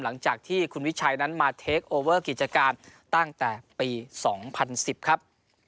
หลังจากที่คุณวิชัยนั้นมาเทคโอเวอร์กิจการตั้งแต่ปี๒๐๑๐ครับ